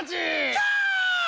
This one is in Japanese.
キャー！